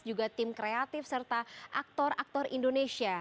juga tim kreatif serta aktor aktor indonesia